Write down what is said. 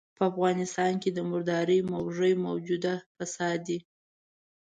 په افغانستان کې د مردارۍ موږی موجوده فساد دی.